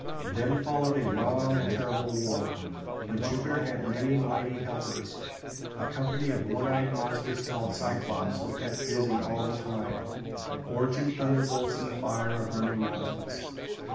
Then followed a long and terrible war. But Jupiter had many mighty helpers. A company of one eyed monsters called Cyclopes were kept busy all the time, forging thunderbolts in the fire of burning mountains.